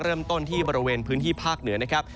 เริ่มต้นที่บริเวณพื้นที่ภาคเหนือนะครับ